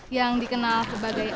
yang dikenal sebagai